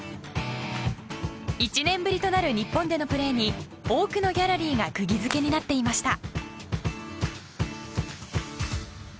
１年ぶりとなる日本でのプレーに多くのギャラリーが釘付けになっていました。